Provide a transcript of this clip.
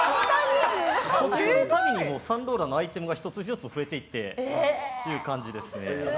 呼吸のたびにサンローランのアイテムが１つ１つ増えていってっていう感じですよね。